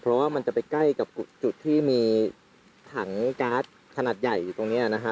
เพราะว่ามันจะไปใกล้กับจุดที่มีถังการ์ดขนาดใหญ่อยู่ตรงนี้นะฮะ